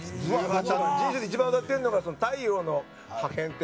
人生で一番歌ってるのが『太陽の破片』って。